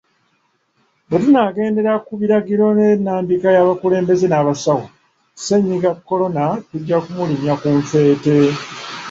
Bwetunaagendera ku biragiro ne nnambika y'abakulembeze n'abasawo, ssenyiga kolona tujja kumulinnya ku nfeete.